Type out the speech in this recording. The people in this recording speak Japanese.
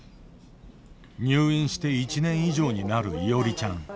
入院して１年以上になるいおりちゃん。